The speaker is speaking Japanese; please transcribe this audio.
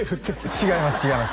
違います